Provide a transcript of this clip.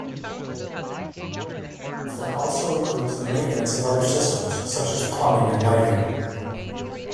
It often also includes the maintenance of other systems, such as plumbing and lighting.